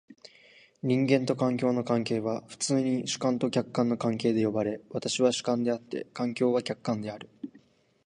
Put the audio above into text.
人間と環境の関係は普通に主観と客観の関係と呼ばれ、私は主観であって、環境は客観である。